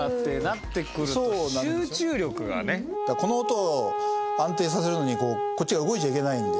この音を安定させるのにこっちが動いちゃいけないので。